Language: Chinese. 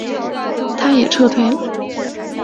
他也撤退了。